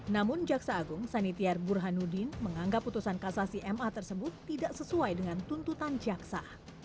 namun jaksa agung sanitiar burhanuddin menganggap putusan kasasi ma tersebut tidak sesuai dengan tuntutan jaksa